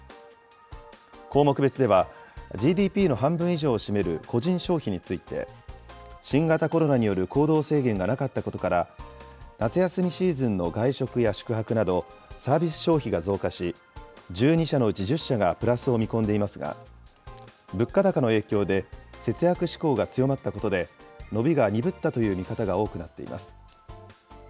項目別では、ＧＤＰの半分以上を占める個人消費について、新型コロナによる行動制限がなかったことから、夏休みシーズンの外食や宿泊など、サービス消費が増加し、１２社のうち１０社がプラスを見込んでいますが、物価高の影響で節約志向が強まったことで、伸びが鈍ったという見方が多くなっています。